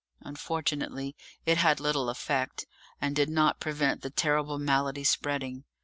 Unfortunately it had little effect, and did not prevent the terrible malady spreading.